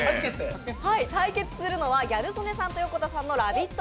対決するのは、ギャル曽根さんと横田さんのラヴィット！